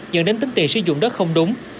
dẫn đến tính tiền sử dụng đất không đúng